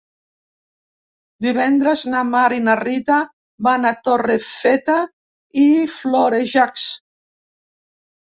Divendres na Mar i na Rita van a Torrefeta i Florejacs.